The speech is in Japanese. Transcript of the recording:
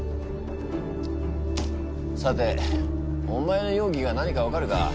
さてお前の容疑が何か分かるか？